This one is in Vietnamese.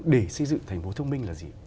để xây dựng thành phố thông minh là gì